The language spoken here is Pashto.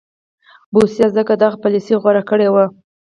بوسیا ځکه دغه پالیسي غوره کړې وه.